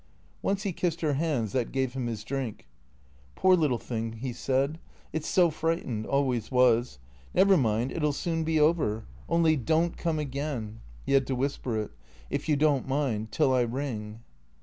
Once he kissed her hands that gave him his drink " Poor little thing," he said, " it 's so frightened — always was. Never mind — It '11 soon be over — only — don't come again" (he had to whisper it), "if you don't mind — till I ring."